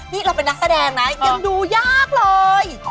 นี่เราเป็นนักแสดงนะยังดูยากเลย